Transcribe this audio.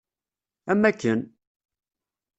Am akken!